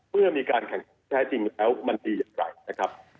เมื่อมีการแข่งขึ้นใช้จริงแล้วมันดีอย่างไร